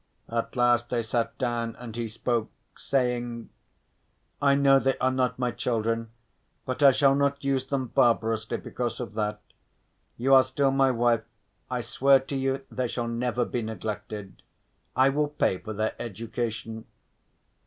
At last they sat down, and he spoke, saying: "I know they are not my children, but I shall not use them barbarously because of that. You are still my wife. I swear to you they shall never be neglected. I will pay for their education."